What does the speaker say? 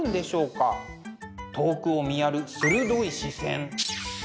遠くを見やる鋭い視線。